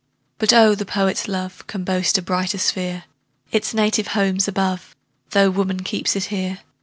But oh! the poet's love Can boast a brighter sphere; Its native home's above, Tho' woman keeps it here.